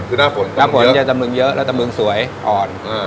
คือหน้าฝนตำรึงเยอะหน้าฝนจะตำรึงเยอะแล้วตำรึงสวยอ่อน